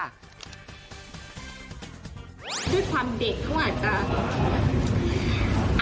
ด้วยความเด็กเขาอาจจะ